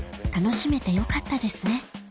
楽しめてよかったですね